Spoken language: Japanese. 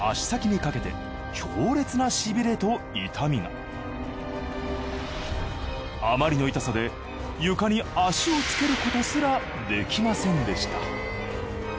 そしてあまりの痛さで床に足をつけることすらできませんでした。